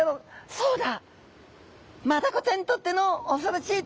「そうだ！